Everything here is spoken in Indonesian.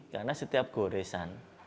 karena setiap goresan